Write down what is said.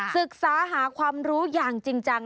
ศึกษาหาความรู้อย่างจริงจัง